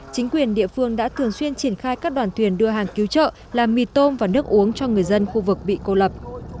chính quyền địa phương đã thường xuyên triển khai các đoàn thuyền đưa hàng cứu trợ làm mì tôm và nước uống cho người dân khu vực bị cô lập